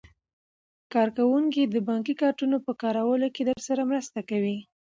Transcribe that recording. کارکوونکي د بانکي کارتونو په کارولو کې درسره مرسته کوي.